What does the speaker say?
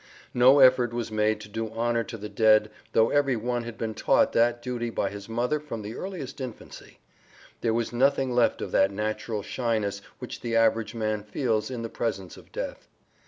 No effort was made to do honor to the dead though every one had been taught that duty by his mother from the earliest infancy; there was nothing left of that natural shyness which the average man feels in the presence of death.